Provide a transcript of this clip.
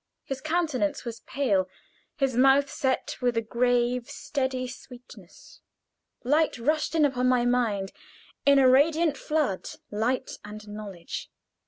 His countenance was pale; his mouth set with a grave, steady sweetness. Light rushed in upon my mind in a radiant flood light and knowledge.